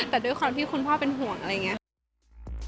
แต่ด้วยความที่คุณพ่อเป็นห่วงอะไรอย่างนี้ค่ะ